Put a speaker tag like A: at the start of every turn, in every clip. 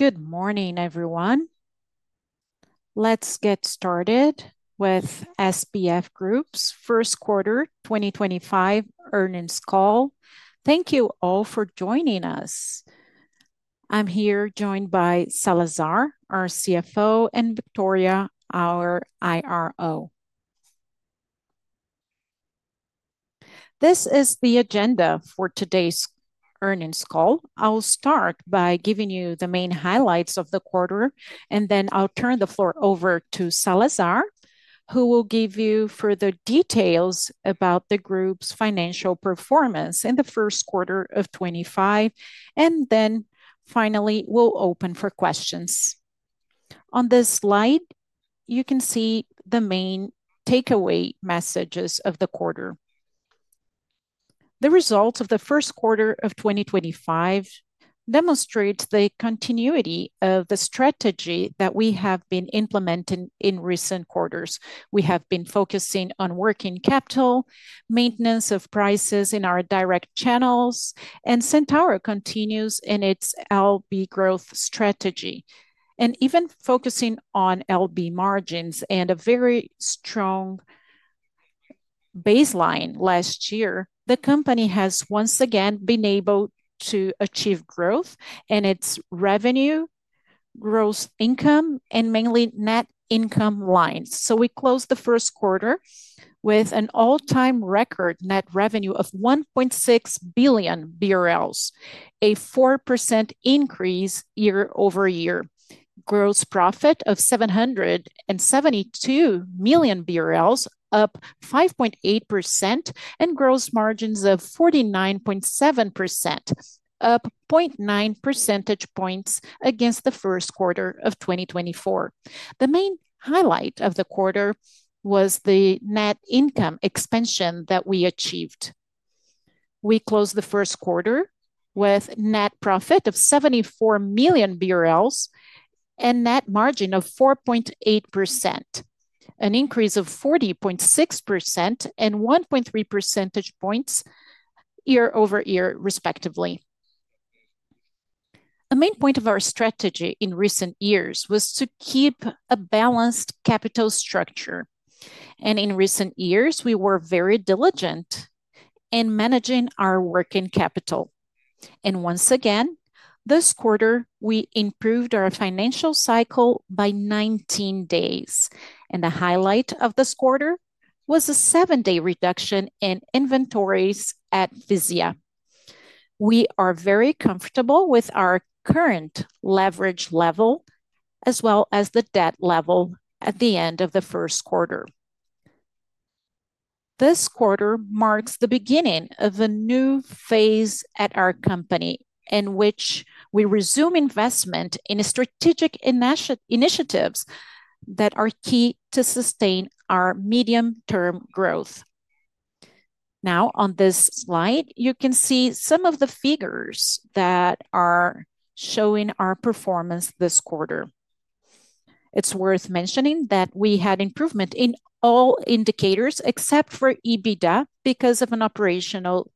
A: Good morning, everyone. Let's get started with SBF Group's First Quarter 2025 Earnings Call. Thank you all for joining us. I'm here joined by Salazar, our CFO, and Victoria, our IRO. This is the agenda for today's earnings call. I'll start by giving you the main highlights of the quarter, and then I'll turn the floor over to Salazar, who will give you further details about the group's financial performance in the first quarter of 2025, and then finally we'll open for questions. On this slide, you can see the main takeaway messages of the quarter. The results of the first quarter of 2025 demonstrate the continuity of the strategy that we have been implementing in recent quarters. We have been focusing on working capital, maintenance of prices in our direct channels, and Centauro continues in its LB growth strategy, and even focusing on LB margins and a very strong baseline last year. The company has once again been able to achieve growth in its revenue, gross income, and mainly net income lines. We closed the first quarter with an all-time record net revenue of 1.6 billion BRL, a 4% increase year-over-year, gross profit of 772 million BRL, up 5.8%, and gross margins of 49.7%, up 0.9 percentage points against the first quarter of 2024. The main highlight of the quarter was the net income expansion that we achieved. We closed the first quarter with net profit of 74 million BRL and net margin of 4.8%, an increase of 40.6% and 1.3 percentage points year-over-year, respectively. A main point of our strategy in recent years was to keep a balanced capital structure, and in recent years we were very diligent in managing our working capital. Once again, this quarter we improved our financial cycle by 19 days, and the highlight of this quarter was a seven-day reduction in inventories at Fisia. We are very comfortable with our current leverage level as well as the debt level at the end of the first quarter. This quarter marks the beginning of a new phase at our company in which we resume investment in strategic initiatives that are key to sustain our medium-term growth. Now, on this slide, you can see some of the figures that are showing our performance this quarter. It's worth mentioning that we had improvement in all indicators except for EBITDA because of an operational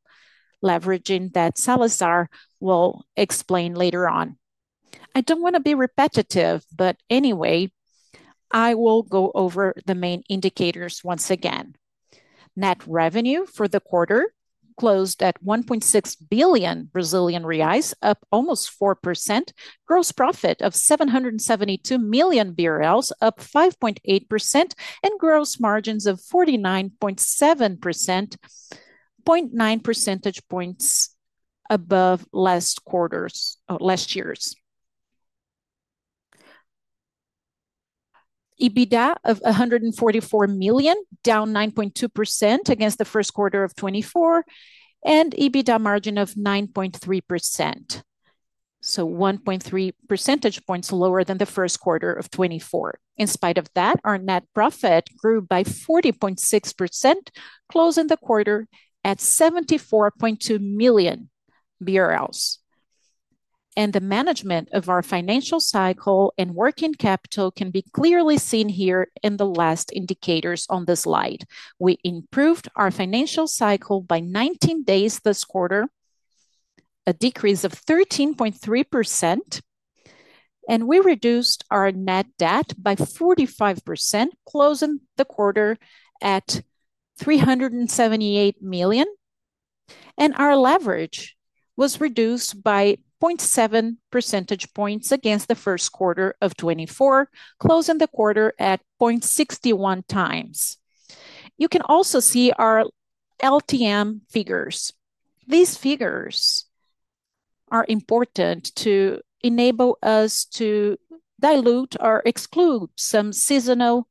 A: deleveraging that Salazar will explain later on. I don't want to be repetitive, but anyway, I will go over the main indicators once again. Net revenue for the quarter closed at 1.6 billion Brazilian reais, up almost 4%, gross profit of 772 million BRL, up 5.8%, and gross margins of 49.7%, 0.9 percentage points above last quarter's or last year's. EBITDA of 144 million, down 9.2% against the first quarter of 2024, and EBITDA margin of 9.3%, so 1.3 percentage points lower than the first quarter of 2024. In spite of that, our net profit grew by 40.6%, closing the quarter at 74.2 million BRL. The management of our financial cycle and working capital can be clearly seen here in the last indicators on this slide. We improved our financial cycle by 19 days this quarter, a decrease of 13.3%, and we reduced our net debt by 45%, closing the quarter at 378 million, and our leverage was reduced by 0.7 percentage points against the first quarter of 2024, closing the quarter at 0.61x. You can also see our LTM figures. These figures are important to enable us to dilute or exclude some seasonal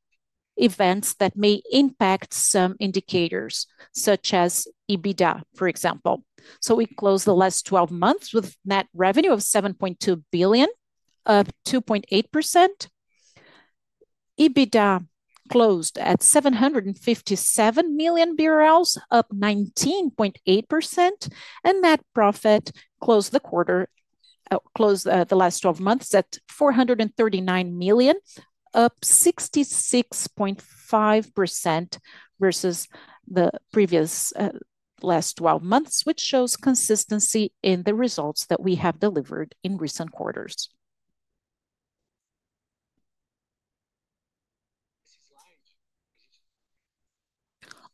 A: events that may impact some indicators, such as EBITDA, for example. We closed the last 12 months with net revenue of 7.2 billion, up 2.8%. EBITDA closed at 757 million BRL, up 19.8%, and net profit closed the quarter, closed the last 12 months at 439 million, up 66.5% versus the previous last 12 months, which shows consistency in the results that we have delivered in recent quarters.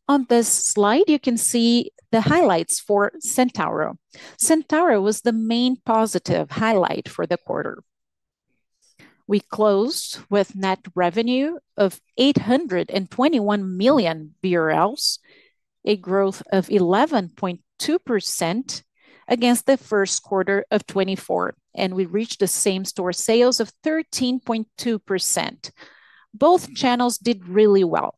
A: On this slide, you can see the highlights for Centauro. Centauro was the main positive highlight for the quarter. We closed with net revenue of 821 million BRL, a growth of 11.2% against the first quarter of 2024, and we reached the same-store sales of 13.2%. Both channels did really well.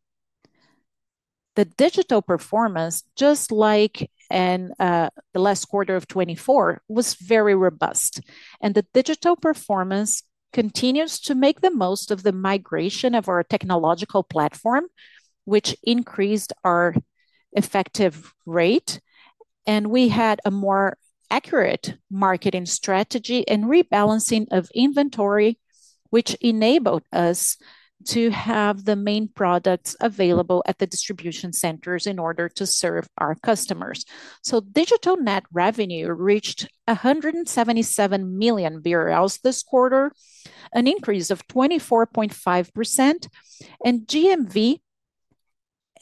A: The digital performance, just like in the last quarter of 2024, was very robust, and the digital performance continues to make the most of the migration of our technological platform, which increased our effective rate, and we had a more accurate marketing strategy and rebalancing of inventory, which enabled us to have the main products available at the distribution centers in order to serve our customers. Digital net revenue reached 177 million this quarter, an increase of 24.5%, and GMV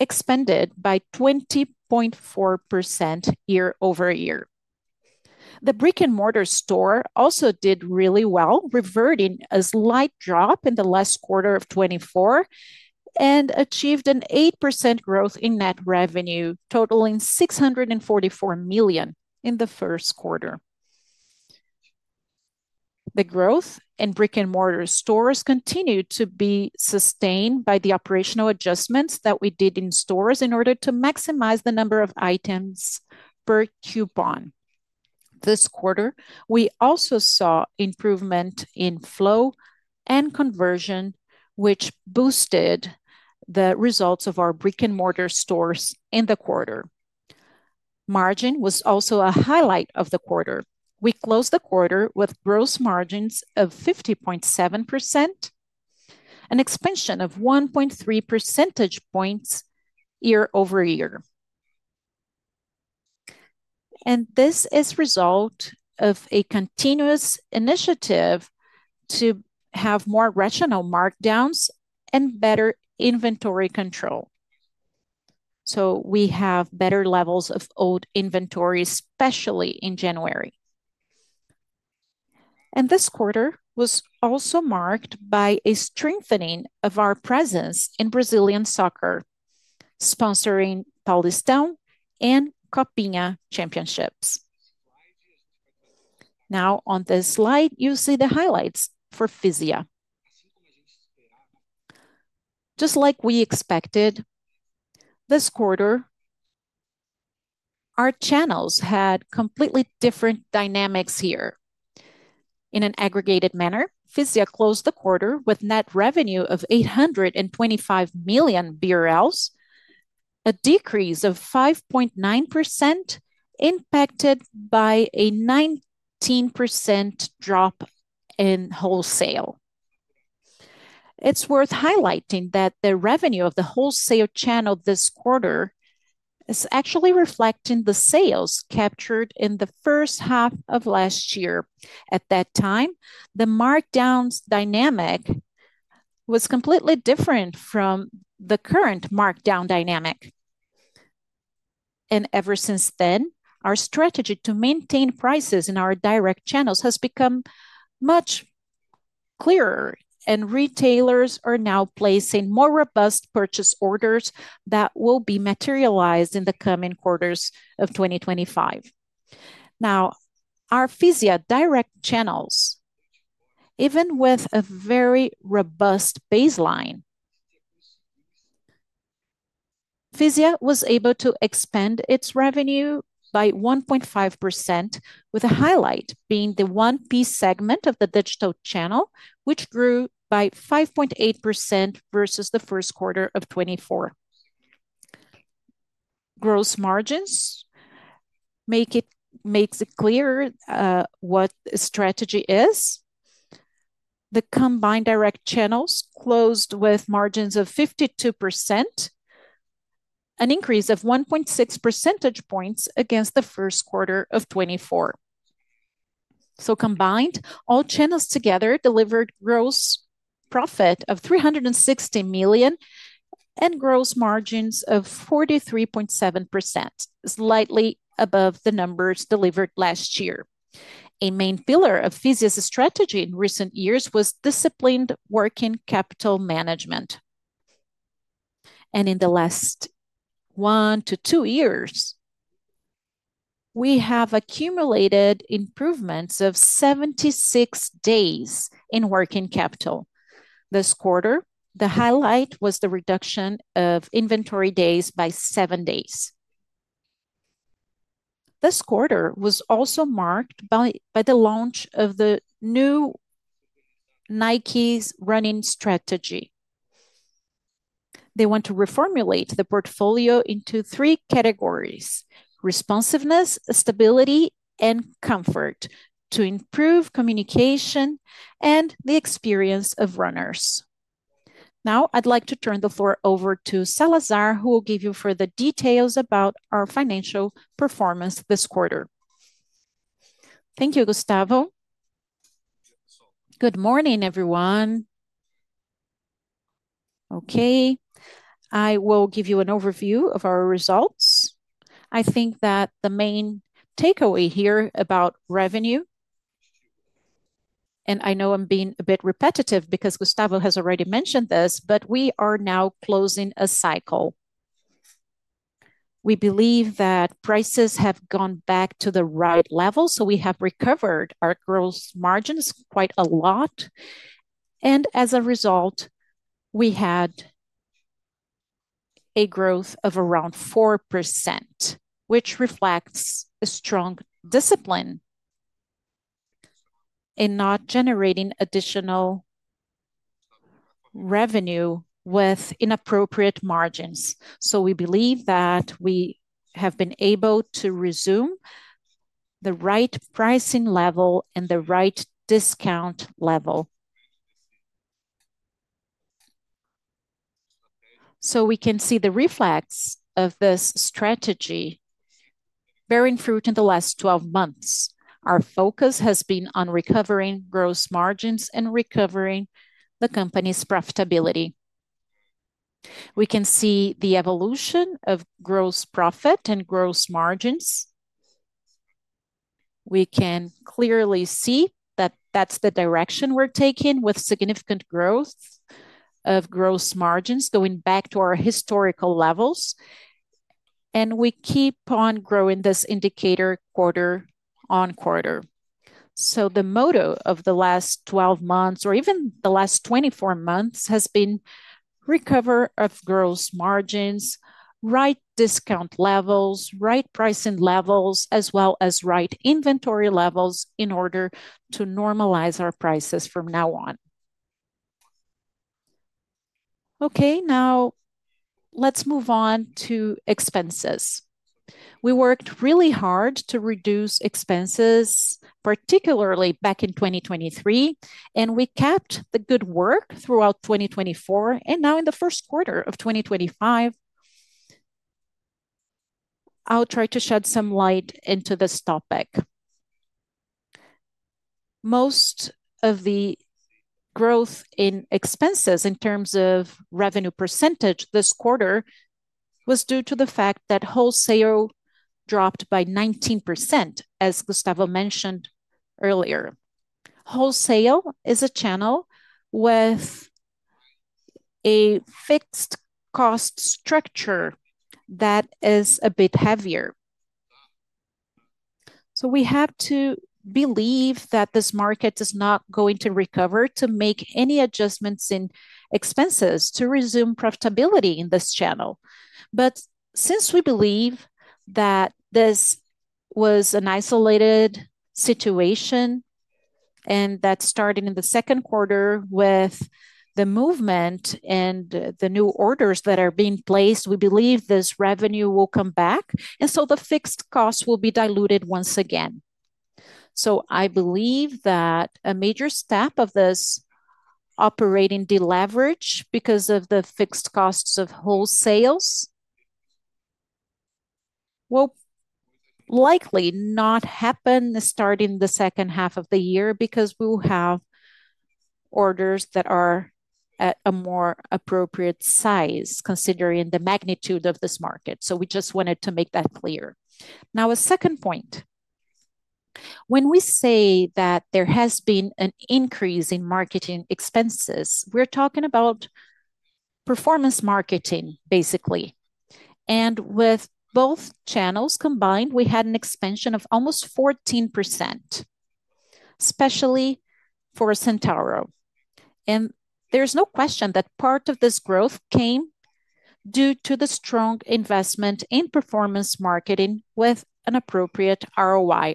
A: expanded by 20.4% year-over-year. The brick-and-mortar store also did really well, reverting a slight drop in the last quarter of 2024, and achieved 8% growth in net revenue, totaling 644 million in the first quarter. The growth in brick-and-mortar stores continued to be sustained by the operational adjustments that we did in stores in order to maximize the number of items per coupon. This quarter, we also saw improvement in flow and conversion, which boosted the results of our brick-and-mortar stores in the quarter. Margin was also a highlight of the quarter. We closed the quarter with gross margins of 50.7%, an expansion of 1.3 percentage points year-over-year. This is a result of a continuous initiative to have more rational markdowns and better inventory control. We have better levels of old inventory, especially in January. This quarter was also marked by a strengthening of our presence in Brazilian soccer, sponsoring Paulistão and Copinha Championships. Now, on this slide, you see the highlights for Fisia. Just like we expected, this quarter, our channels had completely different dynamics here. In an aggregated manner, Fisia closed the quarter with net revenue of 825 million BRL, a decrease of 5.9% impacted by a 19% drop in wholesale. It is worth highlighting that the revenue of the wholesale channel this quarter is actually reflecting the sales captured in the first half of last year. At that time, the markdowns dynamic was completely different from the current markdown dynamic. Ever since then, our strategy to maintain prices in our direct channels has become much clearer, and retailers are now placing more robust purchase orders that will be materialized in the coming quarters of 2025. Now, our Fisia direct channels, even with a very robust baseline, Fisia was able to expand its revenue by 1.5%, with a highlight being the one-piece segment of the digital channel, which grew by 5.8% versus the first quarter of 2024. Gross margins make it clear what the strategy is. The combined direct channels closed with margins of 52%, an increase of 1.6 percentage points against the first quarter of 2024. Combined, all channels together delivered gross profit of 360 million and gross margins of 43.7%, slightly above the numbers delivered last year. A main pillar of Fisia's strategy in recent years was disciplined working capital management. In the last one to two years, we have accumulated improvements of 76 days in working capital. This quarter, the highlight was the reduction of inventory days by seven days. This quarter was also marked by the launch of the new Nike's running strategy. They want to reformulate the portfolio into three categories: responsiveness, stability, and comfort to improve communication and the experience of runners. Now, I'd like to turn the floor over to Salazar, who will give you further details about our financial performance this quarter.
B: Thank you, Gustavo. Good morning, everyone. Okay, I will give you an overview of our results. I think that the main takeaway here about revenue, and I know I'm being a bit repetitive because Gustavo has already mentioned this, but we are now closing a cycle. We believe that prices have gone back to the right level, so we have recovered our gross margins quite a lot. As a result, we had a growth of around 4%, which reflects a strong discipline in not generating additional revenue with inappropriate margins. We believe that we have been able to resume the right pricing level and the right discount level. We can see the reflex of this strategy bearing fruit in the last 12 months. Our focus has been on recovering gross margins and recovering the company's profitability. We can see the evolution of gross profit and gross margins. We can clearly see that that's the direction we're taking with significant growth of gross margins going back to our historical levels, and we keep on growing this indicator quarter-on-quarter. The motto of the last 12 months, or even the last 24 months, has been recover of gross margins, right discount levels, right pricing levels, as well as right inventory levels in order to normalize our prices from now on. Okay, now let's move on to expenses. We worked really hard to reduce expenses, particularly back in 2023, and we kept the good work throughout 2024. Now, in the first quarter of 2025, I'll try to shed some light into this topic. Most of the growth in expenses in terms of revenue percentage this quarter was due to the fact that wholesale dropped by 19%, as Gustavo mentioned earlier. Wholesale is a channel with a fixed cost structure that is a bit heavier. We have to believe that this market is not going to recover to make any adjustments in expenses to resume profitability in this channel. Since we believe that this was an isolated situation and that started in the second quarter with the movement and the new orders that are being placed, we believe this revenue will come back, and the fixed costs will be diluted once again. I believe that a major step of this operating deleverage because of the fixed costs of wholesales will likely not happen starting the second half of the year because we will have orders that are at a more appropriate size, considering the magnitude of this market. We just wanted to make that clear. Now, a second point. When we say that there has been an increase in marketing expenses, we're talking about performance marketing, basically. With both channels combined, we had an expansion of almost 14%, especially for Centauro. There's no question that part of this growth came due to the strong investment in performance marketing with an appropriate ROI.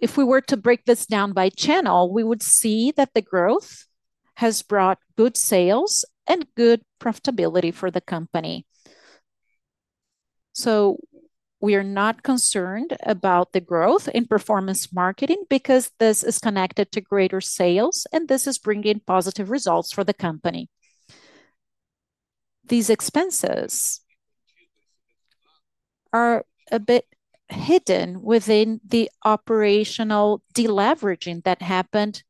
B: If we were to break this down by channel, we would see that the growth has brought good sales and good profitability for the company. We are not concerned about the growth in performance marketing because this is connected to greater sales, and this is bringing positive results for the company. These expenses are a bit hidden within the operational deleveraging that happened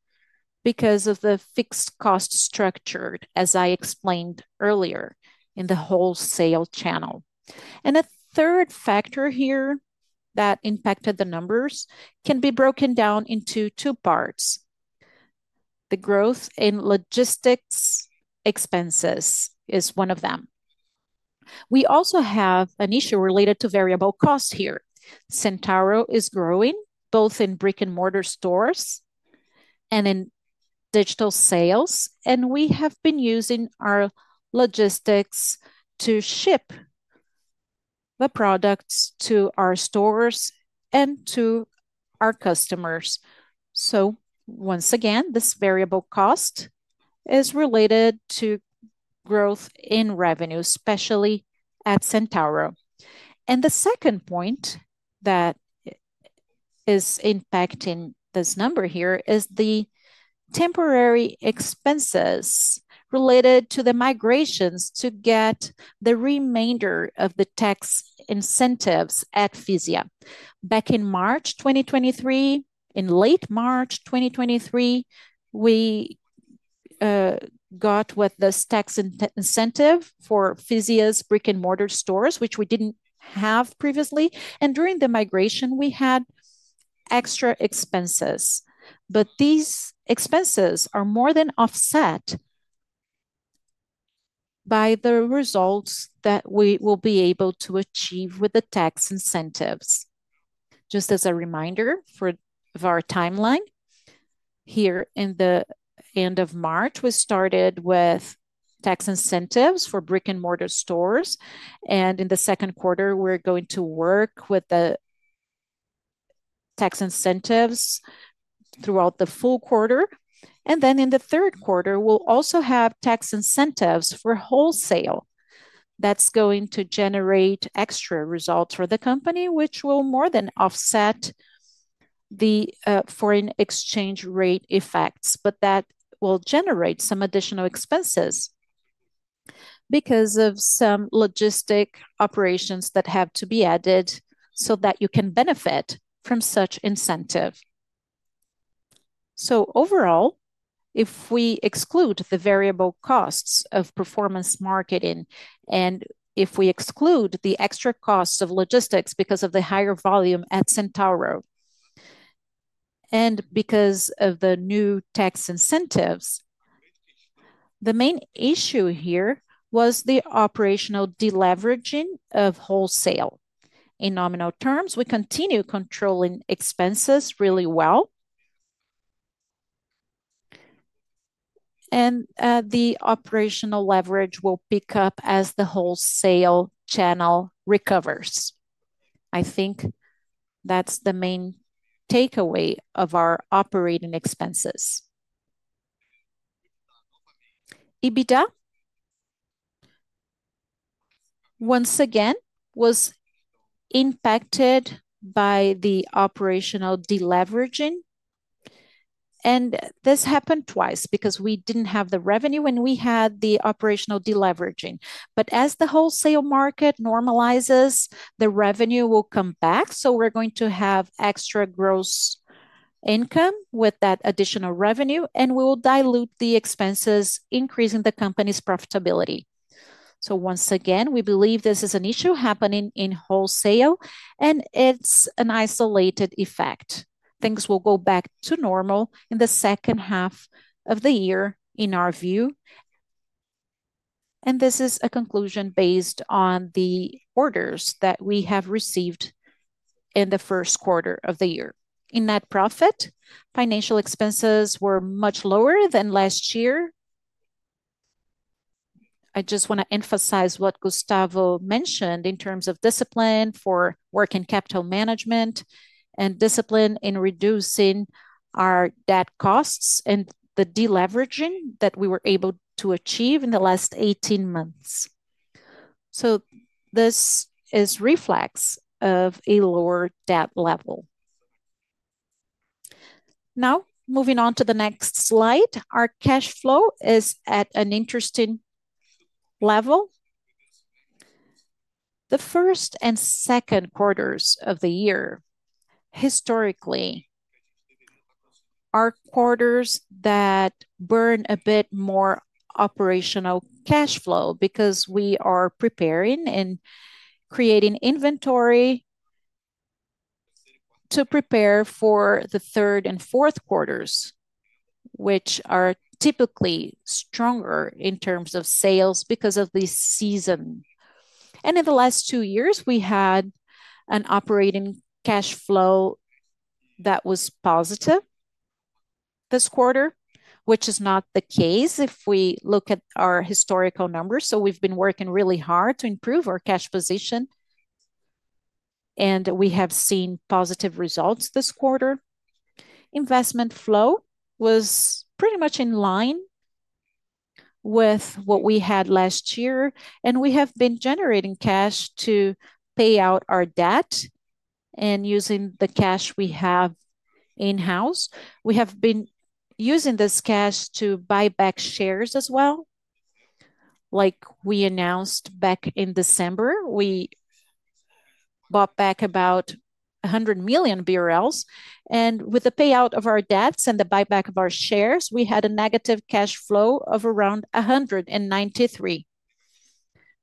B: because of the fixed cost structure, as I explained earlier, in the wholesale channel. A third factor here that impacted the numbers can be broken down into two parts. The growth in logistics expenses is one of them. We also have an issue related to variable costs here. Centauro is growing both in brick-and-mortar stores and in digital sales, and we have been using our logistics to ship the products to our stores and to our customers. Once again, this variable cost is related to growth in revenue, especially at Centauro. The second point that is impacting this number here is the temporary expenses related to the migrations to get the remainder of the tax incentives at Fisia. Back in March 2023, in late March 2023, we got this tax incentive for Fisia's brick-and-mortar stores, which we did not have previously. During the migration, we had extra expenses. These expenses are more than offset by the results that we will be able to achieve with the tax incentives. Just as a reminder for our timeline, here at the end of March, we started with tax incentives for brick-and-mortar stores. In the second quarter, we are going to work with the tax incentives throughout the full quarter. In the third quarter, we will also have tax incentives for wholesale that are going to generate extra results for the company, which will more than offset the foreign exchange rate effects, but that will generate some additional expenses because of some logistics operations that have to be added so that you can benefit from such incentive. Overall, if we exclude the variable costs of performance marketing and if we exclude the extra costs of logistics because of the higher volume at Centauro and because of the new tax incentives, the main issue here was the operational deleveraging of wholesale. In nominal terms, we continue controlling expenses really well. The operational leverage will pick up as the wholesale channel recovers. I think that is the main takeaway of our operating expenses. EBITDA, once again, was impacted by the operational deleveraging. This happened twice because we did not have the revenue when we had the operational deleveraging. As the wholesale market normalizes, the revenue will come back. We are going to have extra gross income with that additional revenue, and we will dilute the expenses, increasing the company's profitability. Once again, we believe this is an issue happening in wholesale, and it is an isolated effect. Things will go back to normal in the second half of the year in our view. This is a conclusion based on the orders that we have received in the first quarter of the year. In net profit, financial expenses were much lower than last year. I just want to emphasize what Gustavo mentioned in terms of discipline for working capital management and discipline in reducing our debt costs and the deleveraging that we were able to achieve in the last 18 months. This is reflex of a lower debt level. Now, moving on to the next slide, our cash flow is at an interesting level. The first and second quarters of the year, historically, are quarters that burn a bit more operational cash flow because we are preparing and creating inventory to prepare for the third and fourth quarters, which are typically stronger in terms of sales because of the season. In the last two years, we had an operating cash flow that was positive this quarter, which is not the case if we look at our historical numbers. We have been working really hard to improve our cash position, and we have seen positive results this quarter. Investment flow was pretty much in line with what we had last year, and we have been generating cash to pay out our debt and using the cash we have in-house. We have been using this cash to buyback shares as well. Like we announced back in December, we bought back about 100 million BRL. With the payout of our debts and the buyback of our shares, we had a negative cash flow of around 193 million,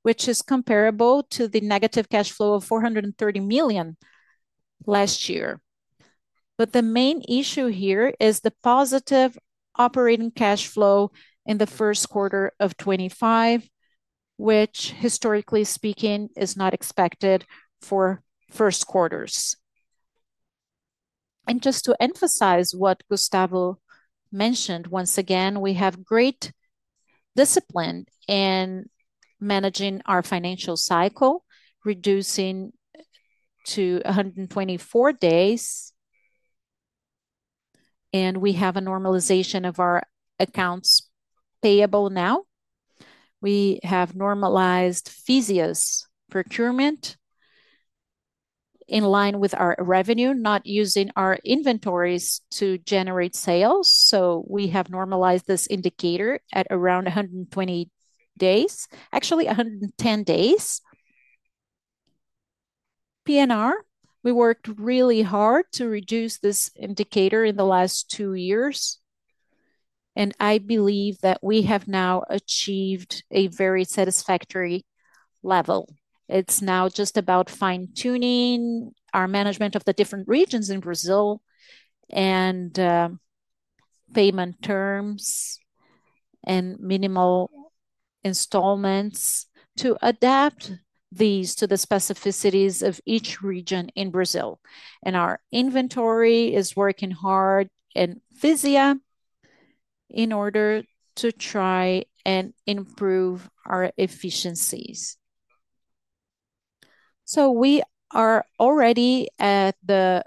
B: which is comparable to the negative cash flow of 430 million last year. The main issue here is the positive operating cash flow in the first quarter of 2025, which, historically speaking, is not expected for first quarters. Just to emphasize what Gustavo mentioned, once again, we have great discipline in managing our financial cycle, reducing to 124 days, and we have a normalization of our accounts payable now. We have normalized Fisia's procurement in line with our revenue, not using our inventories to generate sales. We have normalized this indicator at around 120 days, actually 110 days. PNR, we worked really hard to reduce this indicator in the last two years, and I believe that we have now achieved a very satisfactory level. It is now just about fine-tuning our management of the different regions in Brazil and payment terms and minimal installments to adapt these to the specificities of each region in Brazil. Our inventory is working hard in Fisia in order to try and improve our efficiencies. We are already at the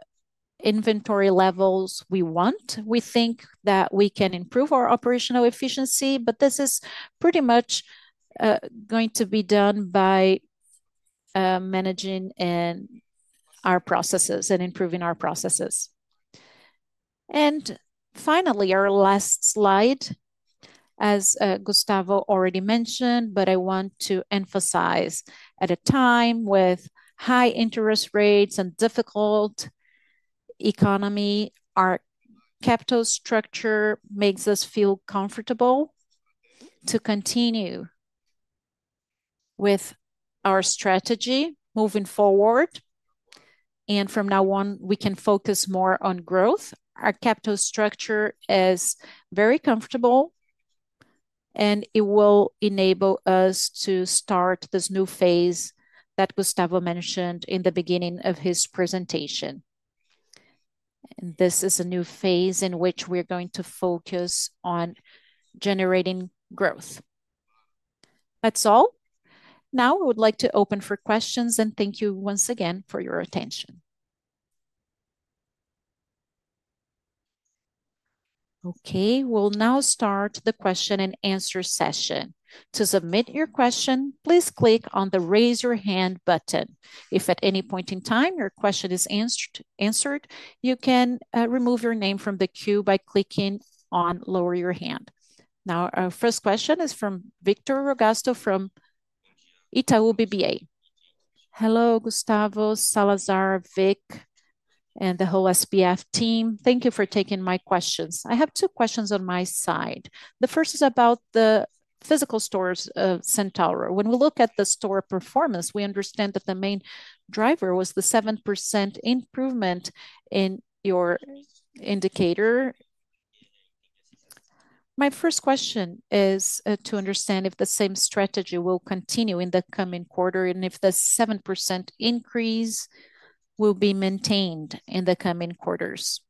B: inventory levels we want. We think that we can improve our operational efficiency, but this is pretty much going to be done by managing our processes and improving our processes. Finally, our last slide, as Gustavo already mentioned, but I want to emphasize at a time with high interest rates and difficult economy, our capital structure makes us feel comfortable to continue with our strategy moving forward. From now on, we can focus more on growth. Our capital structure is very comfortable, and it will enable us to start this new phase that Gustavo mentioned in the beginning of his presentation. This is a new phase in which we are going to focus on generating growth. That is all. Now, I would like to open for questions, and thank you once again for your attention.
C: Okay, we will now start the question and answer session. To submit your question, please click on the raise your hand button. If at any point in time your question is answered, you can remove your name from the queue by clicking on lower your hand. Now, our first question is from Victor Rogatis from Itaú BBA.
D: Hello, Gustavo, Salazar, Vic, and the whole SBF team. Thank you for taking my questions. I have two questions on my side. The first is about the physical stores of Centauro. When we look at the store performance, we understand that the main driver was the 7% improvement in your indicator. My first question is to understand if the same strategy will continue in the coming quarter and if the 7% increase will be maintained in the coming quarters.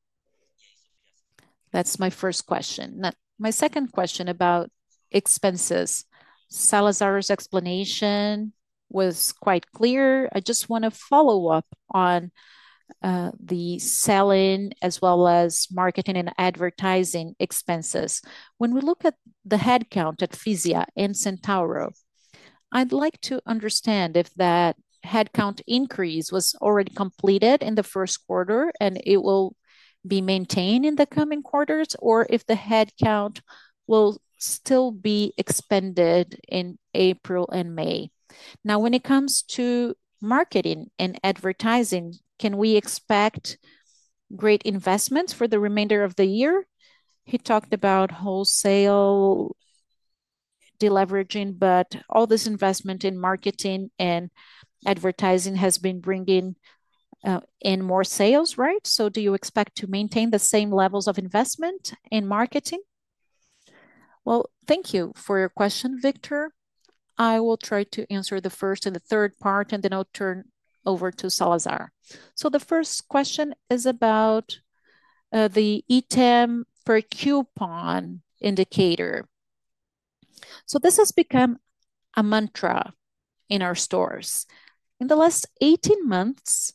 D: That's my first question. My second question about expenses. Salazar's explanation was quite clear. I just want to follow up on the selling as well as marketing and advertising expenses. When we look at the headcount at Fisia and Centauro, I'd like to understand if that headcount increase was already completed in the first quarter and it will be maintained in the coming quarters, or if the headcount will still be expanded in April and May? Now, when it comes to marketing and advertising, can we expect great investments for the remainder of the year? He talked about wholesale deleveraging, but all this investment in marketing and advertising has been bringing in more sales, right? Do you expect to maintain the same levels of investment in marketing?
A: Thank you for your question, Victor. I will try to answer the first and the third part, and then I'll turn over to Salazar. The first question is about the [item] per coupon indicator. This has become a mantra in our stores. In the last 18 months,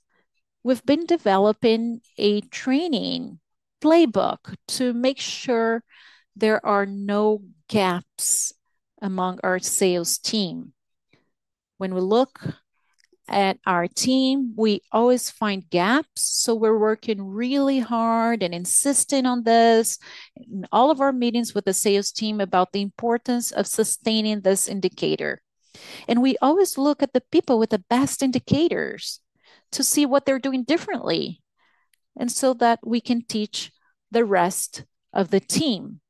A: we've been developing a training playbook to make sure there are no gaps among our sales team. When we look at our team, we always find gaps. We're working really hard and insisting on this in all of our meetings with the sales team about the importance of sustaining this indicator. We always look at the people with the best indicators to see what they're doing differently and so that we can teach the rest of the team.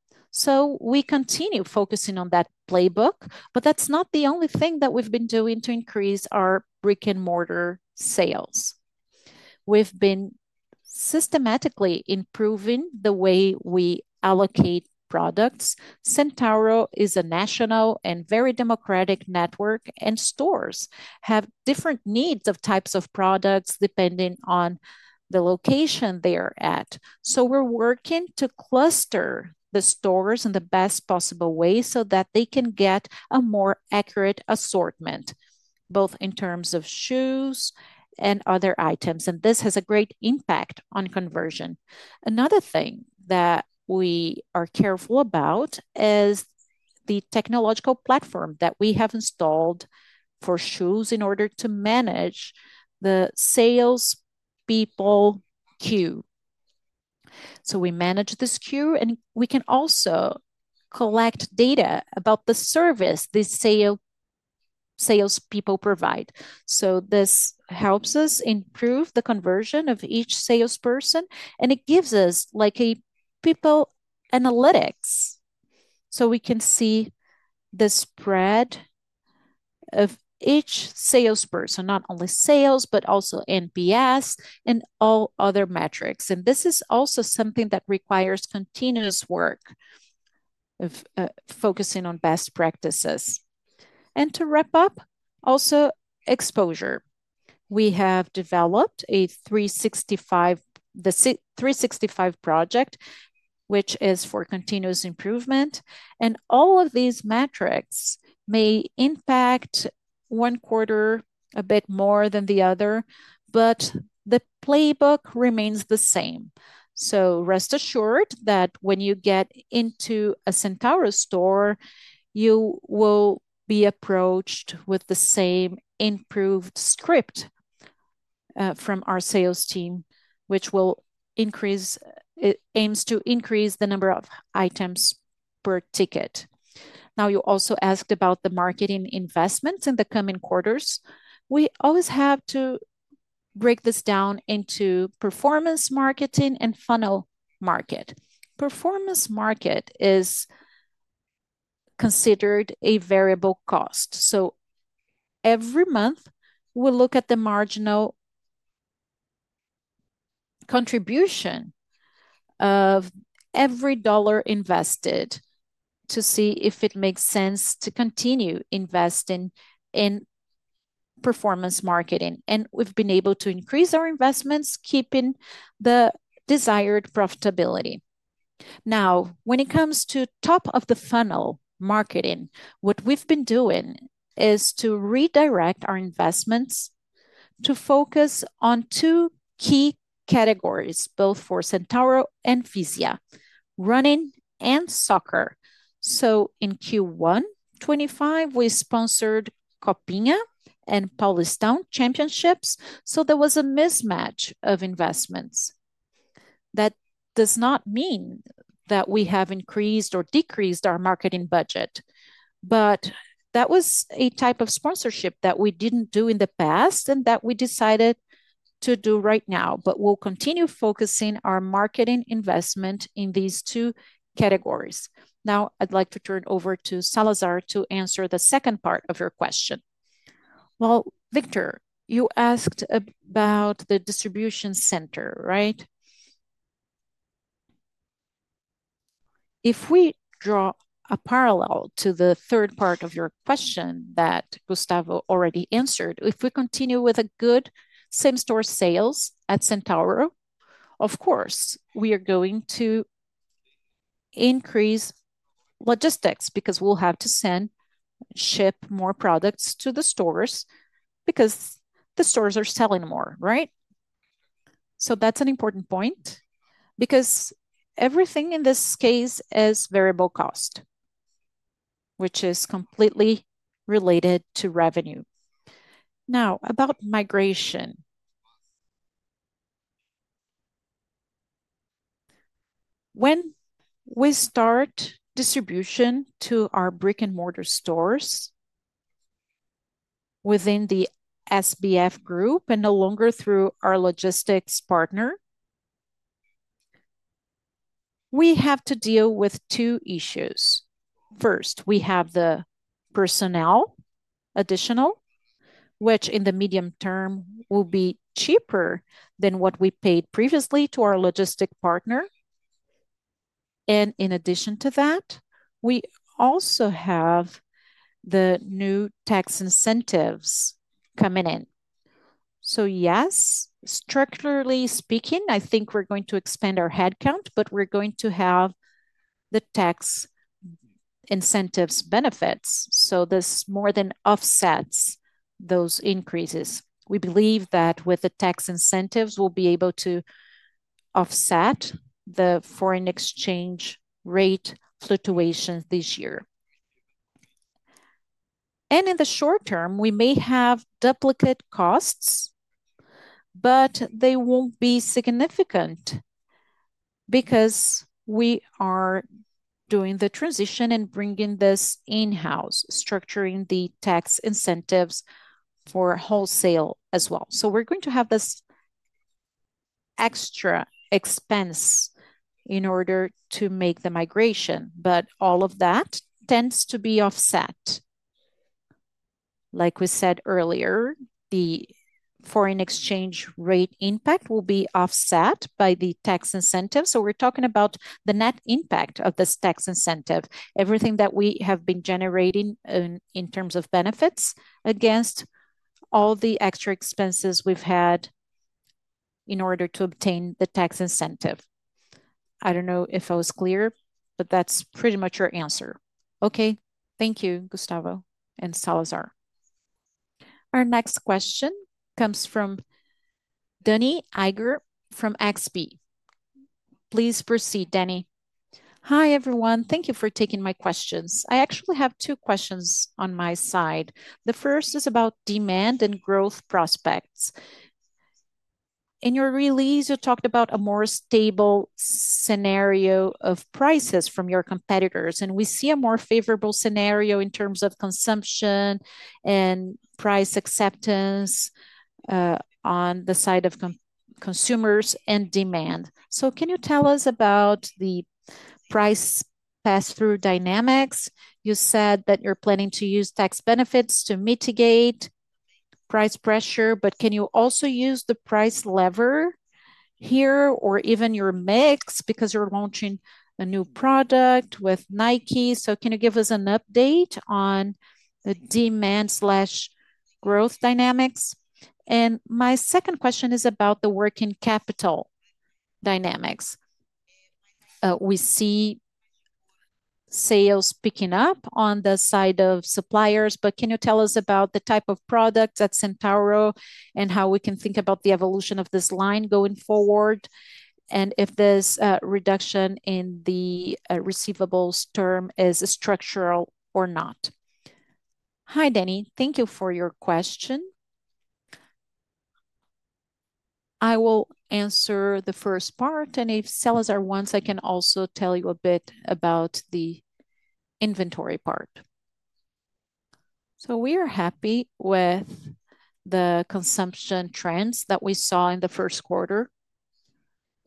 A: We continue focusing on that playbook, but that's not the only thing that we've been doing to increase our brick-and-mortar sales. We've been systematically improving the way we allocate products. Centauro is a national and very democratic network, and stores have different needs of types of products depending on the location they are at. We're working to cluster the stores in the best possible way so that they can get a more accurate assortment, both in terms of shoes and other items. This has a great impact on conversion. Another thing that we are careful about is the technological platform that we have installed for shoes in order to manage the salespeople queue. We manage this queue, and we can also collect data about the service the salespeople provide. This helps us improve the conversion of each salesperson, and it gives us like a people analytics. We can see the spread of each salesperson, not only sales, but also NPS and all other metrics. This is also something that requires continuous work of focusing on best practices. To wrap up, also exposure. We have developed a 365 project, which is for continuous improvement. All of these metrics may impact one quarter a bit more than the other, but the playbook remains the same. Rest assured that when you get into a Centauro store, you will be approached with the same improved script from our sales team, which will increase; it aims to increase the number of items per ticket. You also asked about the marketing investments in the coming quarters. We always have to break this down into performance marketing and funnel market. Performance market is considered a variable cost. Every month, we'll look at the marginal contribution of every dollar invested to see if it makes sense to continue investing in performance marketing. We've been able to increase our investments, keeping the desired profitability. When it comes to top-of-the-funnel marketing, what we've been doing is to redirect our investments to focus on two key categories, both for Centauro and Fisia, running and soccer. In Q1 2025, we sponsored Copinha and Paulistão Championships. There was a mismatch of investments. That does not mean that we have increased or decreased our marketing budget, but that was a type of sponsorship that we did not do in the past and that we decided to do right now. We will continue focusing our marketing investment in these two categories. I would like to turn over to Salazar to answer the second part of your question.
B: Victor, you asked about the distribution center, right? If we draw a parallel to the third part of your question that Gustavo already answered, if we continue with good same-store sales at Centauro, of course, we are going to increase logistics because we will have to ship more products to the stores because the stores are selling more, right? That is an important point because everything in this case is variable cost, which is completely related to revenue. Now, about migration. When we start distribution to our brick-and-mortar stores within the SBF Group and no longer through our logistics partner, we have to deal with two issues. First, we have the personnel additional, which in the medium term will be cheaper than what we paid previously to our logistics partner. In addition to that, we also have the new tax incentives coming in. Yes, structurally speaking, I think we are going to expand our headcount, but we are going to have the tax incentives benefits. This more than offsets those increases. We believe that with the tax incentives, we will be able to offset the foreign exchange rate fluctuations this year. In the short term, we may have duplicate costs, but they will not be significant because we are doing the transition and bringing this in-house, structuring the tax incentives for wholesale as well. We're going to have this extra expense in order to make the migration, but all of that tends to be offset. Like we said earlier, the foreign exchange rate impact will be offset by the tax incentive. We're talking about the net impact of this tax incentive, everything that we have been generating in terms of benefits against all the extra expenses we've had in order to obtain the tax incentive. I don't know if I was clear, but that's pretty much your answer.
D: Okay, thank you, Gustavo and Salazar.
C: Our next question comes from Danny Eiger from XP. Please proceed, Danny.
E: Hi everyone. Thank you for taking my questions. I actually have two questions on my side. The first is about demand and growth prospects. In your release, you talked about a more stable scenario of prices from your competitors, and we see a more favorable scenario in terms of consumption and price acceptance on the side of consumers and demand. Can you tell us about the price pass-through dynamics? You said that you're planning to use tax benefits to mitigate price pressure, but can you also use the price lever here or even your mix because you're launching a new product with Nike? Can you give us an update on the demand/growth dynamics? My second question is about the working capital dynamics. We see sales picking up on the side of suppliers, but can you tell us about the type of products at Centauro and how we can think about the evolution of this line going forward and if this reduction in the receivables term is structural or not?
A: Hi, Danny. Thank you for your question. I will answer the first part, and if Salazar wants, I can also tell you a bit about the inventory part. We are happy with the consumption trends that we saw in the first quarter,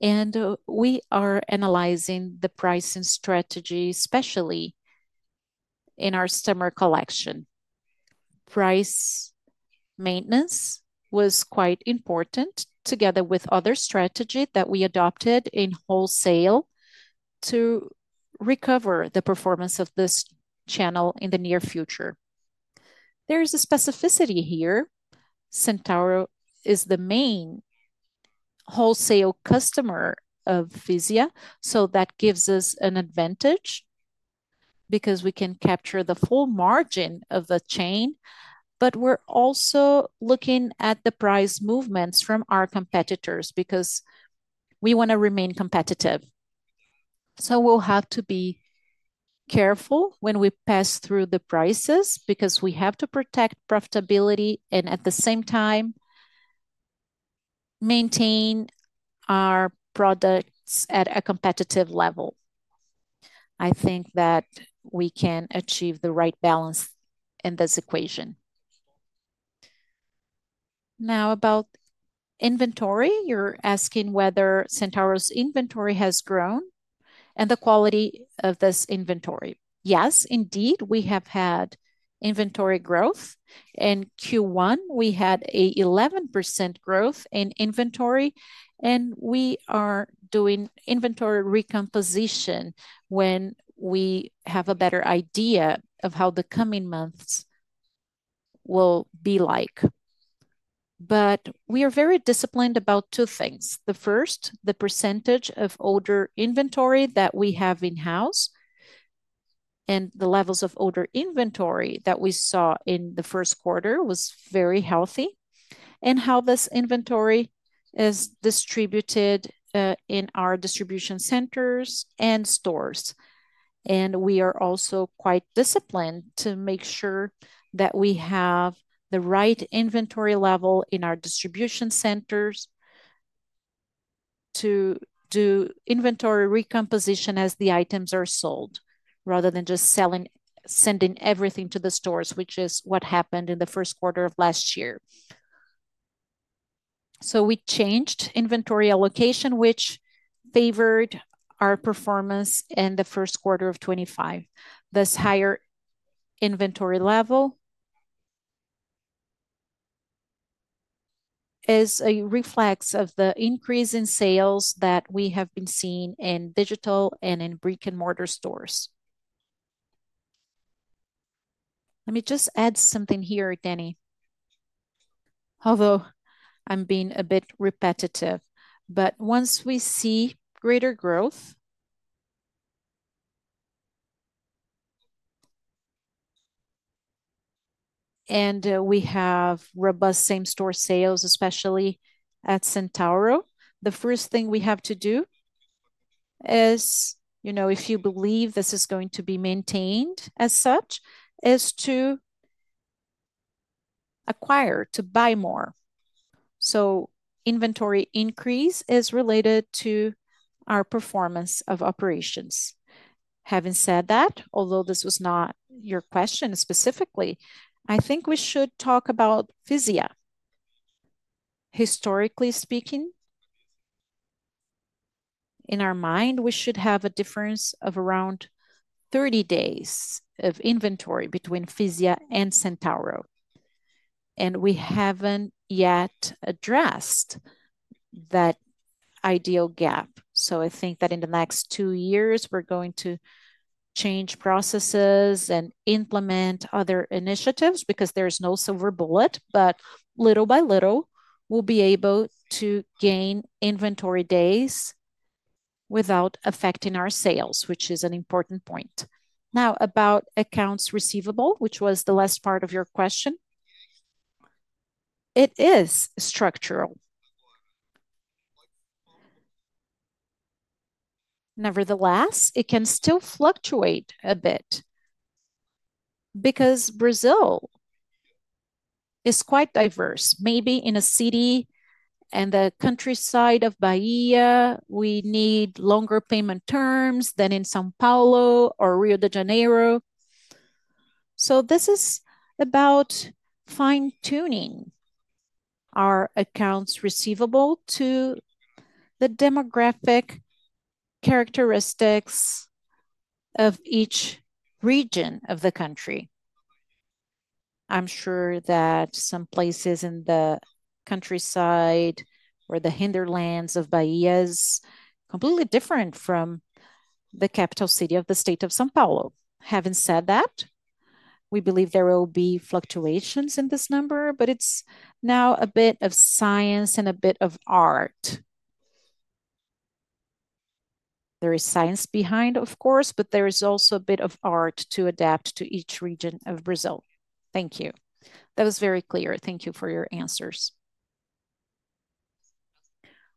A: and we are analyzing the pricing strategy, especially in our summer collection. Price maintenance was quite important together with other strategies that we adopted in wholesale to recover the performance of this channel in the near future. There is a specificity here. Centauro is the main wholesale customer of Fisia, so that gives us an advantage because we can capture the full margin of the chain, but we are also looking at the price movements from our competitors because we want to remain competitive. We have to be careful when we pass through the prices because we have to protect profitability and at the same time maintain our products at a competitive level. I think that we can achieve the right balance in this equation. Now, about inventory, you're asking whether Centauro's inventory has grown and the quality of this inventory. Yes, indeed, we have had inventory growth. In Q1, we had an 11% growth in inventory, and we are doing inventory recomposition when we have a better idea of how the coming months will be like. We are very disciplined about two things. The first, the percentage of older inventory that we have in-house and the levels of older inventory that we saw in the first quarter was very healthy and how this inventory is distributed in our distribution centers and stores. We are also quite disciplined to make sure that we have the right inventory level in our distribution centers to do inventory recomposition as the items are sold rather than just sending everything to the stores, which is what happened in the first quarter of last year. We changed inventory allocation, which favored our performance in the first quarter of 2025. This higher inventory level is a reflex of the increase in sales that we have been seeing in digital and in brick-and-mortar stores.
B: Let me just add something here, Danny. Although I'm being a bit repetitive, once we see greater growth and we have robust same-store sales, especially at Centauro, the first thing we have to do is, if you believe this is going to be maintained as such, is to acquire, to buy more. Inventory increase is related to our performance of operations. Having said that, although this was not your question specifically, I think we should talk about Fisia. Historically speaking, in our mind, we should have a difference of around 30 days of inventory between Fisia and Centauro, and we have not yet addressed that ideal gap. I think that in the next two years, we are going to change processes and implement other initiatives because there is no silver bullet, but little by little, we will be able to gain inventory days without affecting our sales, which is an important point. Now, about accounts receivable, which was the last part of your question, it is structural. Nevertheless, it can still fluctuate a bit because Brazil is quite diverse. Maybe in a city in the countryside of Bahia, we need longer payment terms than in São Paulo or Rio de Janeiro. This is about fine-tuning our accounts receivable to the demographic characteristics of each region of the country. I'm sure that some places in the countryside or the hinterlands of Bahia is completely different from the capital city of the state of São Paulo. Having said that, we believe there will be fluctuations in this number, but it's now a bit of science and a bit of art. There is science behind, of course, but there is also a bit of art to adapt to each region of Brazil. Thank you.
E: That was very clear. Thank you for your answers.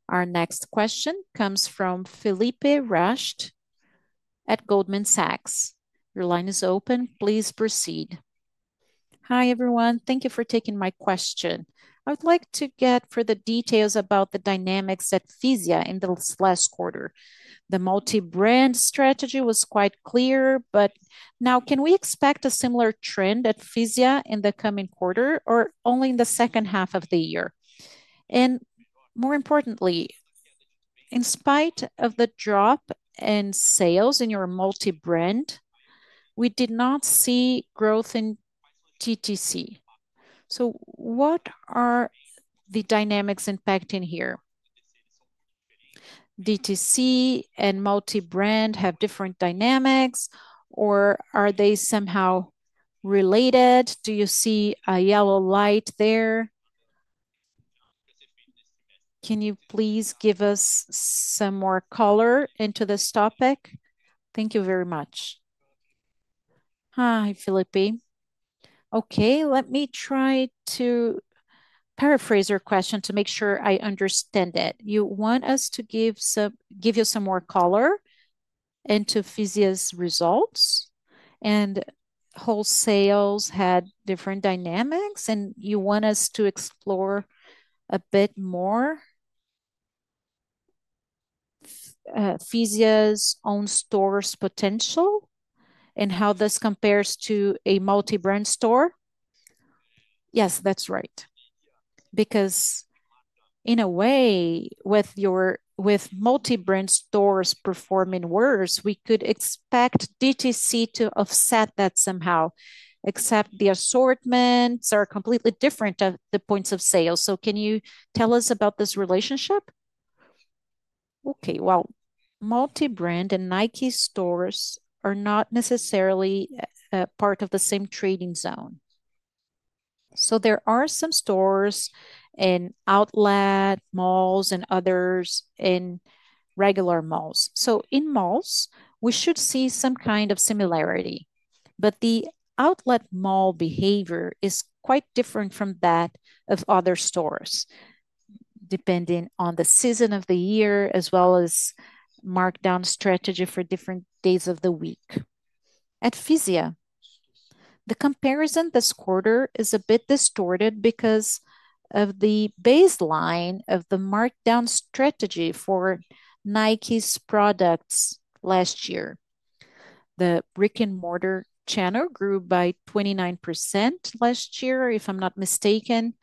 C: Our next question comes from Felipe Rached at Goldman Sachs. Your line is open. Please proceed.
F: Hi everyone. Thank you for taking my question. I would like to get further details about the dynamics at Fisia in the last quarter. The multi-brand strategy was quite clear, but now can we expect a similar trend at Fisia in the coming quarter or only in the second half of the year? More importantly, in spite of the drop in sales in your multi-brand, we did not see growth in DTC. What are the dynamics impacting here? DTC and multi-brand have different dynamics, or are they somehow related? Do you see a yellow light there? Can you please give us some more color into this topic? Thank you very much.
A: Hi, Felipe. Okay, let me try to paraphrase your question to make sure I understand it. You want us to give you some more color into Fisia's results and wholesale had different dynamics, and you want us to explore a bit more Fisia's own store's potential and how this compares to a multi-brand store?
F: Yes, that's right. Because in a way, with multi-brand stores performing worse, we could expect DTC to offset that somehow, except the assortments are completely different at the points of sale. So can you tell us about this relationship?
A: Okay, multi-brand and Nike stores are not necessarily part of the same trading zone. There are some stores in outlet malls and others in regular malls. In malls, we should see some kind of similarity, but the outlet mall behavior is quite different from that of other stores, depending on the season of the year as well as markdown strategy for different days of the week. At Fisia, the comparison this quarter is a bit distorted because of the baseline of the markdown strategy for Nike's products last year. The brick-and-mortar channel grew by 29% last year, if I'm not mistaken.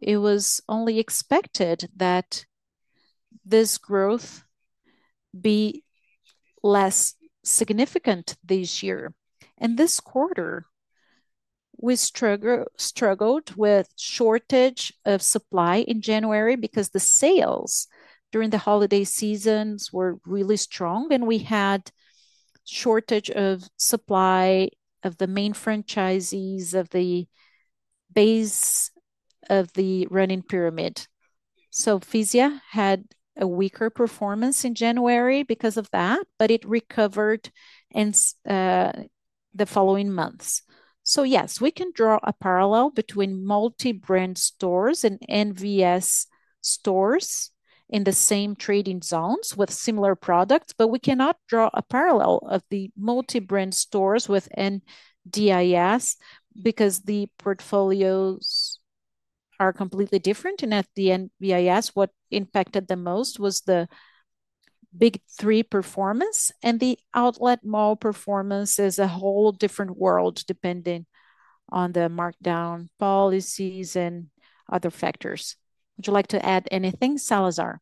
A: It was only expected that this growth be less significant this year. This quarter, we struggled with a shortage of supply in January because the sales during the holiday seasons were really strong, and we had a shortage of supply of the main franchisees of the base of the running pyramid. Fisia had a weaker performance in January because of that, but it recovered in the following months. Yes, we can draw a parallel between multi-brand stores and NVS stores in the same trading zones with similar products, but we cannot draw a parallel of the multi-brand stores within DIS because the portfolios are completely different. At the end, [BIS], what impacted the most was the big three performance, and the outlet mall performance is a whole different world depending on the markdown policies and other factors. Would you like to add anything, Salazar?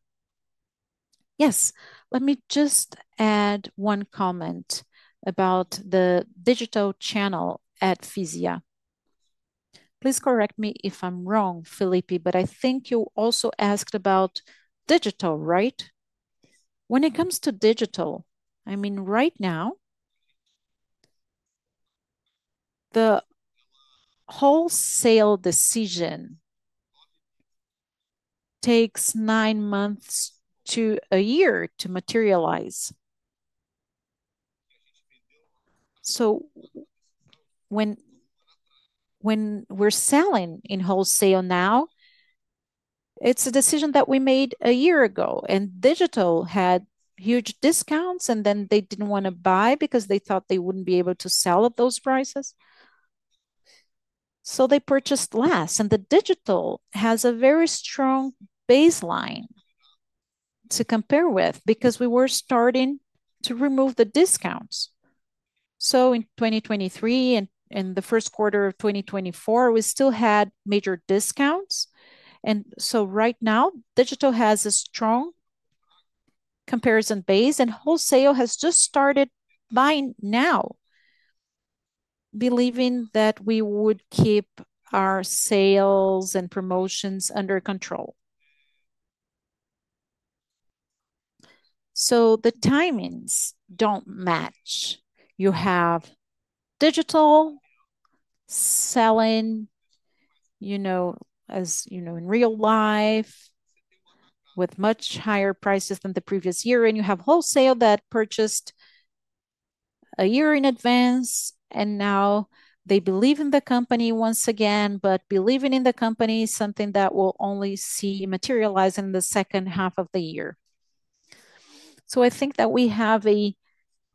B: Yes, let me just add one comment about the digital channel at Fisia. Please correct me if I'm wrong, Felipe, but I think you also asked about digital, right? When it comes to digital, I mean, right now, the wholesale decision takes nine months to a year to materialize. When we're selling in wholesale now, it's a decision that we made a year ago, and digital had huge discounts, and then they did not want to buy because they thought they would not be able to sell at those prices. They purchased less, and the digital has a very strong baseline to compare with because we were starting to remove the discounts. In 2023 and the first quarter of 2024, we still had major discounts. Right now, digital has a strong comparison base, and wholesale has just started buying now, believing that we would keep our sales and promotions under control. The timings do not match. You have digital selling, as you know, in real life with much higher prices than the previous year, and you have wholesale that purchased a year in advance, and now they believe in the company once again, but believing in the company is something that will only see materialize in the second half of the year. I think that we have a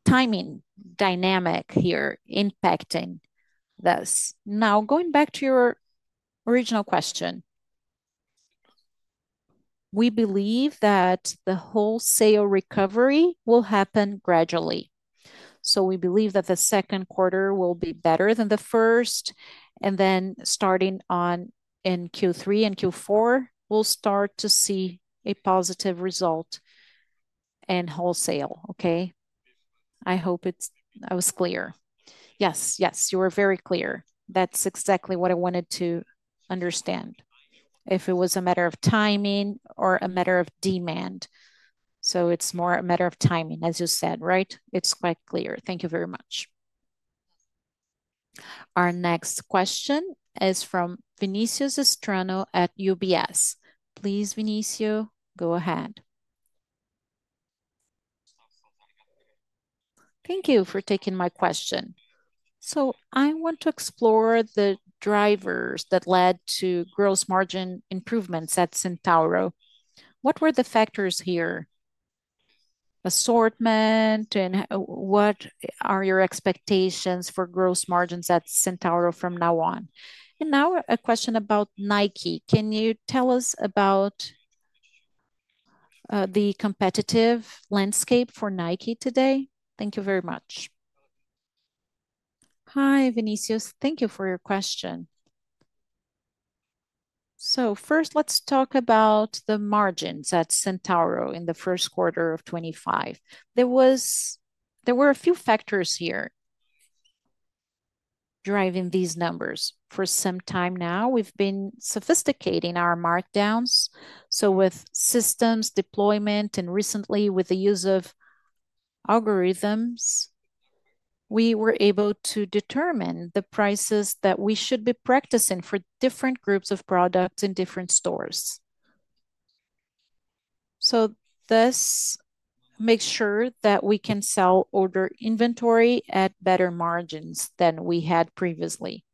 B: timing dynamic here impacting this. Now, going back to your original question, we believe that the wholesale recovery will happen gradually. We believe that the second quarter will be better than the first, and then starting in Q3 and Q4, we will start to see a positive result in wholesale. Okay? I hope I was clear.
F: Yes, yes, you were very clear. That's exactly what I wanted to understand, if it was a matter of timing or a matter of demand. So it's more a matter of timing, as you said, right? It's quite clear. Thank you very much.
C: Our next question is from Vinícius Estrano at UBS. Please, Vinícius, go ahead.
G: Thank you for taking my question. I want to explore the drivers that led to gross margin improvements at Centauro. What were the factors here? Assortment, and what are your expectations for gross margins at Centauro from now on? A question about Nike. Can you tell us about the competitive landscape for Nike today? Thank you very much.
A: Hi, Vinícius. Thank you for your question. First, let's talk about the margins at Centauro in the first quarter of 2025. There were a few factors here driving these numbers. For some time now, we've been sophisticating our markdowns. With systems deployment and recently with the use of algorithms, we were able to determine the prices that we should be practicing for different groups of products in different stores. This makes sure that we can sell older inventory at better margins than we had previously.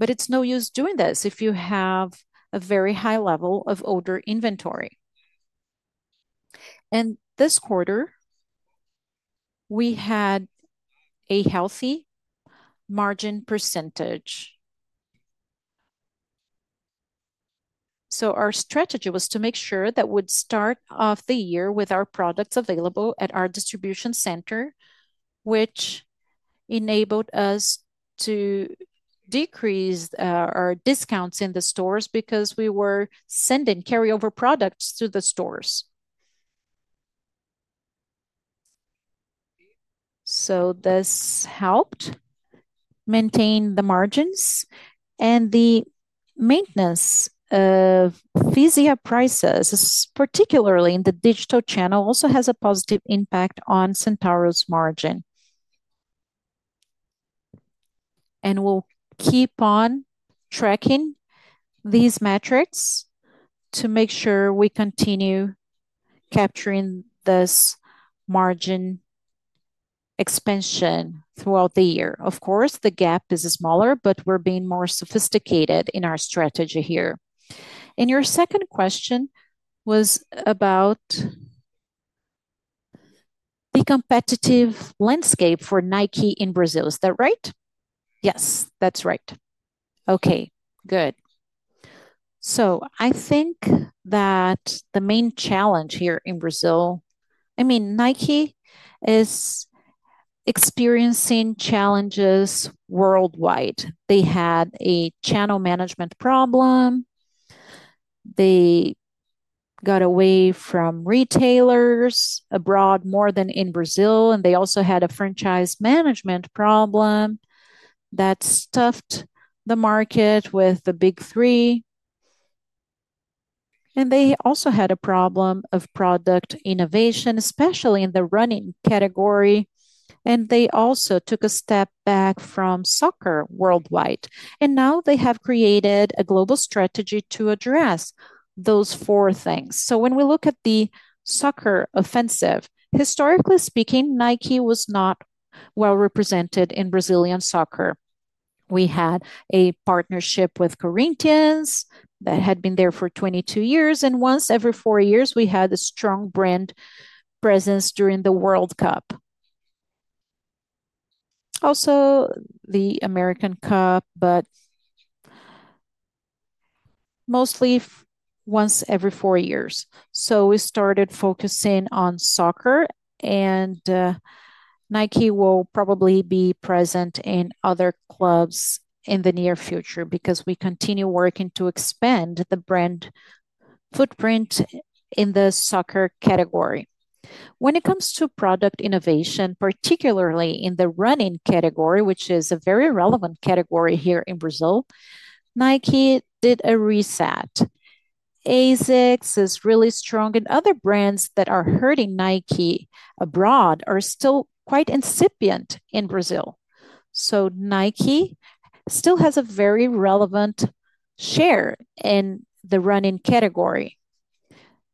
A: It's no use doing this if you have a very high level of older inventory. This quarter, we had a healthy margin percentage. Our strategy was to make sure that we'd start off the year with our products available at our distribution center, which enabled us to decrease our discounts in the stores because we were sending carryover products to the stores. This helped maintain the margins. The maintenance of Fisia prices, particularly in the digital channel, also has a positive impact on Centauro's margin. We will keep on tracking these metrics to make sure we continue capturing this margin expansion throughout the year. Of course, the gap is smaller, but we are being more sophisticated in our strategy here. Your second question was about the competitive landscape for Nike in Brazil. Is that right?
G: Yes, that's right.
A: Okay, good. I think that the main challenge here in Brazil, I mean, Nike is experiencing challenges worldwide. They had a channel management problem. They got away from retailers abroad more than in Brazil, and they also had a franchise management problem that stuffed the market with the big three. They also had a problem of product innovation, especially in the running category. They also took a step back from soccer worldwide. They have created a global strategy to address those four things. When we look at the soccer offensive, historically speaking, Nike was not well represented in Brazilian soccer. We had a partnership with Corinthians that had been there for 22 years, and once every four years, we had a strong brand presence during the World Cup. Also, the American Cup, but mostly once every four years. We started focusing on soccer, and Nike will probably be present in other clubs in the near future because we continue working to expand the brand footprint in the soccer category. When it comes to product innovation, particularly in the running category, which is a very relevant category here in Brazil, Nike did a reset. ASICS is really strong, and other brands that are hurting Nike abroad are still quite incipient in Brazil. Nike still has a very relevant share in the running category.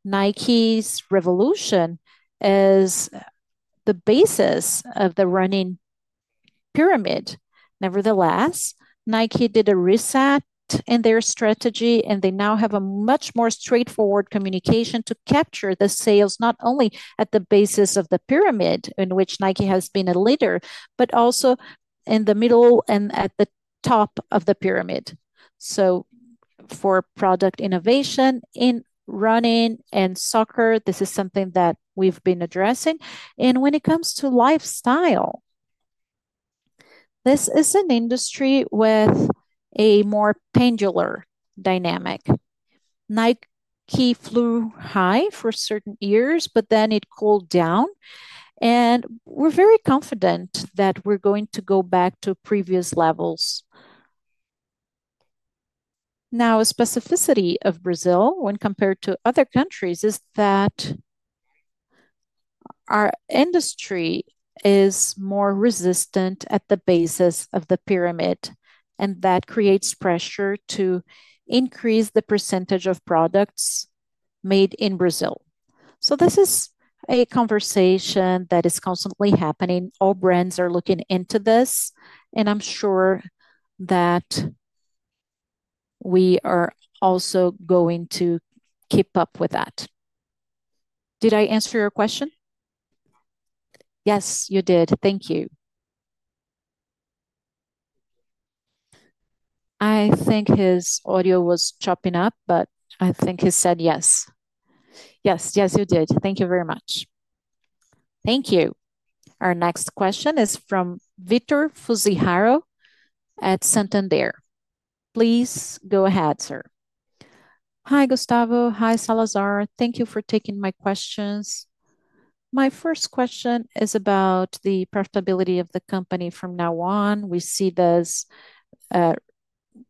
A: Nike's revolution is the basis of the running pyramid. Nevertheless, Nike did a reset in their strategy, and they now have a much more straightforward communication to capture the sales not only at the basis of the pyramid in which Nike has been a leader, but also in the middle and at the top of the pyramid. For product innovation in running and soccer, this is something that we've been addressing. When it comes to lifestyle, this is an industry with a more pendular dynamic. Nike flew high for certain years, but then it cooled down, and we're very confident that we're going to go back to previous levels. Now, a specificity of Brazil when compared to other countries is that our industry is more resistant at the basis of the pyramid, and that creates pressure to increase the percentage of products made in Brazil. This is a conversation that is constantly happening. All brands are looking into this, and I'm sure that we are also going to keep up with that. Did I answer your question?
G: Yes, you did. Thank you.
C: I think his audio was chopping up, but I think he said yes.
A: Yes, yes, you did. Thank you very much.
C: Thank you. Our next question is from Vitor Fuziharo at Santander. Please go ahead, sir.
H: Hi, Gustavo. Hi, Salazar. Thank you for taking my questions. My first question is about the profitability of the company from now on. We see this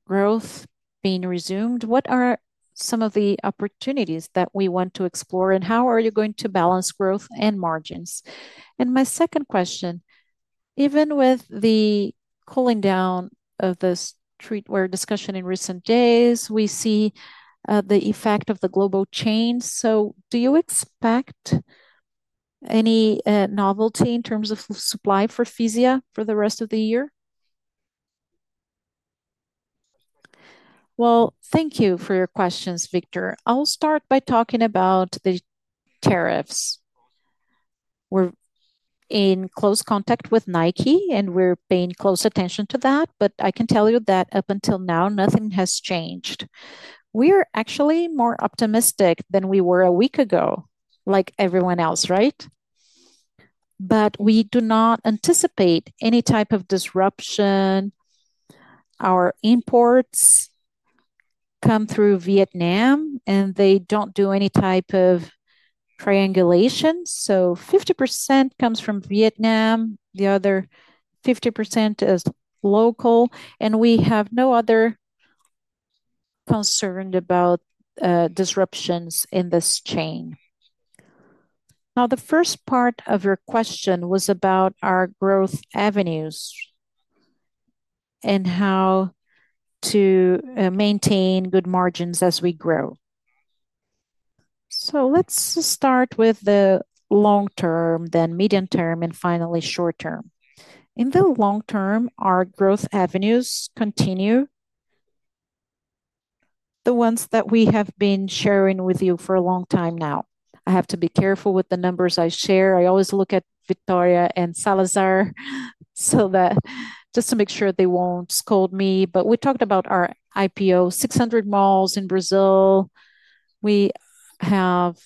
H: growth being resumed. What are some of the opportunities that we want to explore, and how are you going to balance growth and margins? My second question, even with the cooling down of this discussion in recent days, we see the effect of the global change. Do you expect any novelty in terms of supply for Fisia for the rest of the year?
A: Thank you for your questions, Victor. I'll start by talking about the tariffs. We're in close contact with Nike, and we're paying close attention to that, but I can tell you that up until now, nothing has changed. We are actually more optimistic than we were a week ago, like everyone else, right? We do not anticipate any type of disruption. Our imports come through Vietnam, and they do not do any type of triangulation. 50% comes from Vietnam. The other 50% is local, and we have no other concern about disruptions in this chain. Now, the first part of your question was about our growth avenues and how to maintain good margins as we grow. Let's start with the long term, then medium term, and finally short term. In the long term, our growth avenues continue the ones that we have been sharing with you for a long time now. I have to be careful with the numbers I share. I always look at Victoria and Salazar just to make sure they won't scold me. We talked about our IPO, 600 malls in Brazil. We have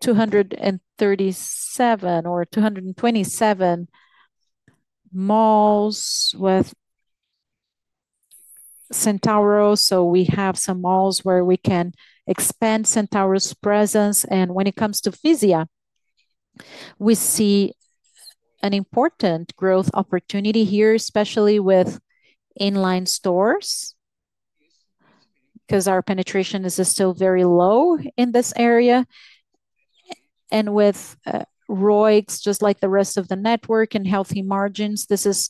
A: 237 or 227 malls with Centauro. We have some malls where we can expand Centauro's presence. When it comes to Fisia, we see an important growth opportunity here, especially with in-line stores because our penetration is still very low in this area. With ROICs, just like the rest of the network and healthy margins, this is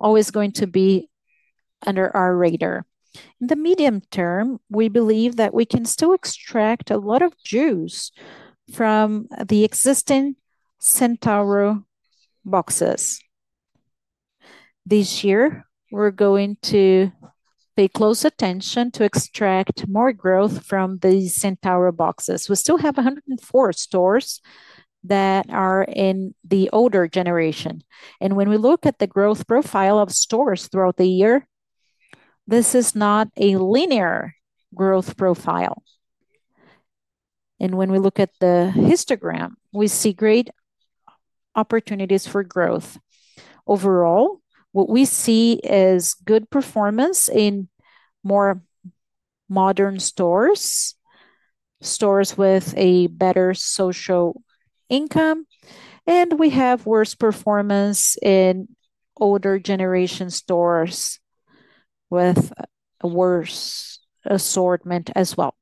A: always going to be under our radar. In the medium term, we believe that we can still extract a lot of juice from the existing Centauro boxes. This year, we're going to pay close attention to extract more growth from the Centauro boxes. We still have 104 stores that are in the older generation. When we look at the growth profile of stores throughout the year, this is not a linear growth profile. When we look at the histogram, we see great opportunities for growth. Overall, what we see is good performance in more modern stores, stores with a better social income, and we have worse performance in older generation stores with worse assortment as well.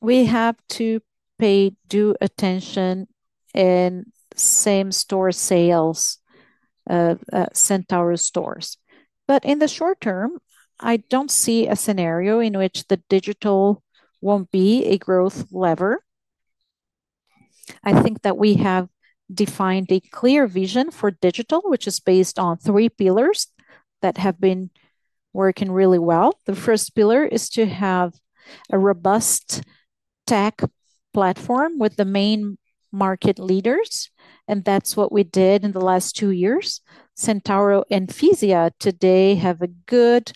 A: We have to pay due attention in same-store sales, Centauro stores. In the short term, I do not see a scenario in which the digital will not be a growth lever. I think that we have defined a clear vision for digital, which is based on three pillars that have been working really well. The first pillar is to have a robust tech platform with the main market leaders, and that is what we did in the last two years. Centauro and Fisia today have a good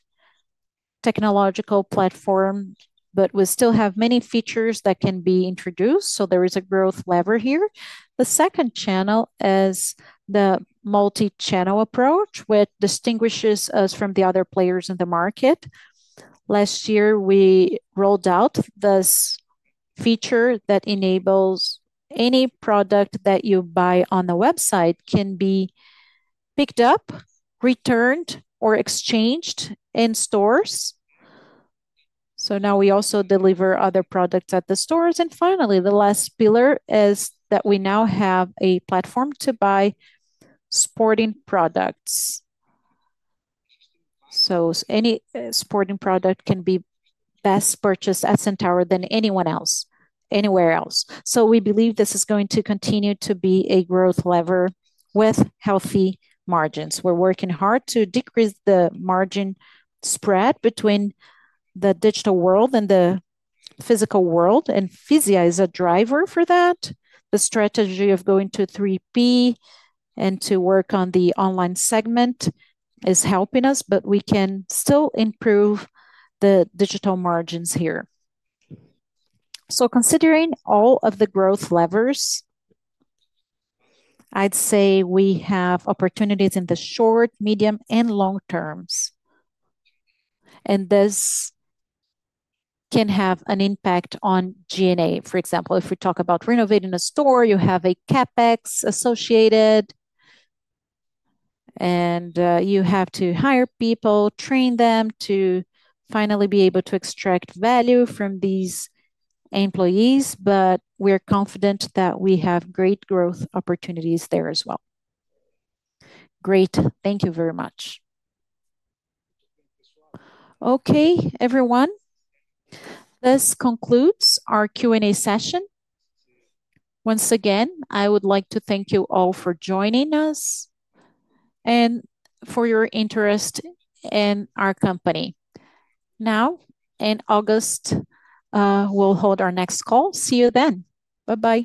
A: technological platform, but we still have many features that can be introduced, so there is a growth lever here. The second channel is the multi-channel approach, which distinguishes us from the other players in the market. Last year, we rolled out this feature that enables any product that you buy on the website can be picked up, returned, or exchanged in stores. Now we also deliver other products at the stores. Finally, the last pillar is that we now have a platform to buy sporting products. Any sporting product can be best purchased at Centauro than anywhere else. We believe this is going to continue to be a growth lever with healthy margins. We're working hard to decrease the margin spread between the digital world and the physical world, and Fisia is a driver for that. The strategy of going to 3P and to work on the online segment is helping us, but we can still improve the digital margins here. Considering all of the growth levers, I'd say we have opportunities in the short, medium, and long terms. This can have an impact on G&A. For example, if we talk about renovating a store, you have a CapEx associated, and you have to hire people, train them to finally be able to extract value from these employees. We're confident that we have great growth opportunities there as well.
H: Great. Thank you very much.
A: Okay, everyone. This concludes our Q&A session. Once again, I would like to thank you all for joining us and for your interest in our company. Now, in August, we'll hold our next call. See you then. Bye-bye.